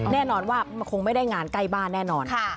แน่นอนว่ามันคงไม่ได้งานใกล้บ้านแน่นอน